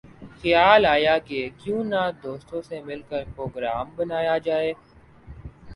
خیال آیا کہ کیوں نہ دوستوں سے مل کر پروگرام بنایا جائے